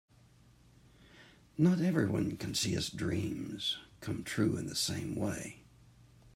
Not everyone can see his dreams come true in the same way.